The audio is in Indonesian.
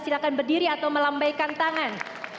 silakan berdiri atau melambaikan tangan